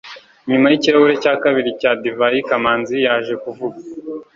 nyuma yikirahure cya kabiri cya divayi, kamanzi yaje kuvuga